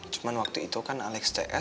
cuman waktu itu kan alex ts dateng ke rumahnya